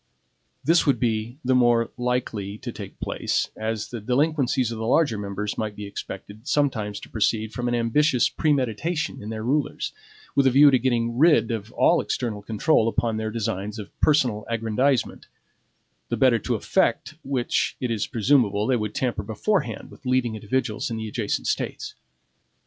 This would be the more likely to take place, as the delinquencies of the larger members might be expected sometimes to proceed from an ambitious premeditation in their rulers, with a view to getting rid of all external control upon their designs of personal aggrandizement; the better to effect which it is presumable they would tamper beforehand with leading individuals in the adjacent States.